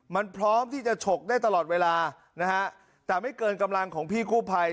มันพร้อมที่จะฉกได้ตลอดเวลานะฮะแต่ไม่เกินกำลังของพี่กู้ภัย